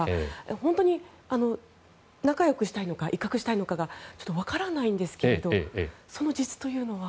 本当に仲良くしたいのか威嚇したいのかが分からないんですがその実というのは。